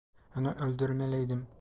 Onu öldürmeliydim.